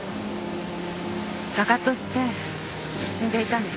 画家として死んでいたんです。